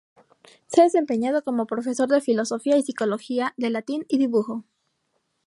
Se ha desempeñado como profesor de filosofía y psicología; de Latín, y Dibujo.